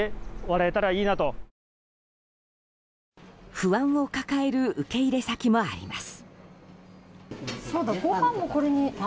不安を抱える受け入れ先もあります。